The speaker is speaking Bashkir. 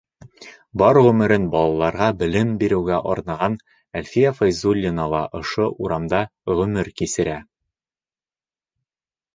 Бар ғүмерен балаларға белем биреүгә арнаған Әлфиә Фәйзуллина ла ошо урамда ғүмер кисерә.